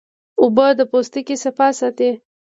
اوبه د پوستکي صفا ساتي